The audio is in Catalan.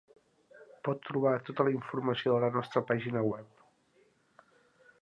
Pot trobar tota la informació a la nostra pàgina web.